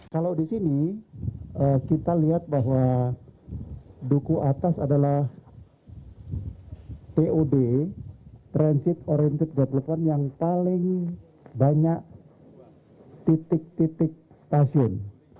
kalau di sini kita lihat bahwa duku atas adalah tod transit oriented development yang paling banyak titik titik stasiun